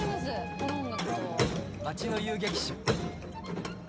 この音楽と。